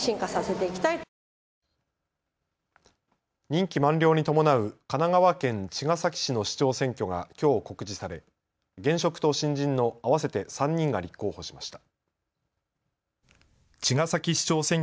任期満了に伴う神奈川県茅ヶ崎市の市長選挙がきょう告示され、現職と新人の合わせて３人が立候補しました。